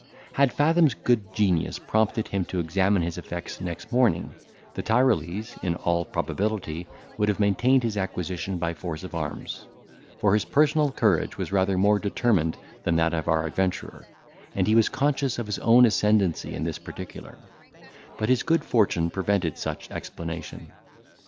Had Fathom's good genius prompted him to examine his effects next morning, the Tyrolese, in all probability, would have maintained his acquisition by force of arms; for his personal courage was rather more determined than that of our adventurer, and he was conscious of his own ascendency in this particular; but his good fortune prevented such explanation.